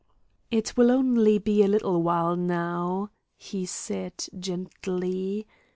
"It will be only a little while now," he said, gently.